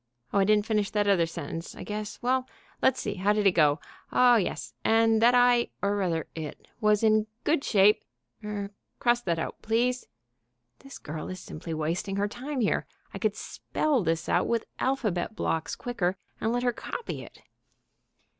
Oh, I didn't finish that other sentence, I guess.... Let's see, how did it go?... Oh, yes ... and that I, or rather it, was in good shape ... er, cross that out, please (this girl is simply wasting her time here. I could spell this out with alphabet blocks quicker and let her copy it)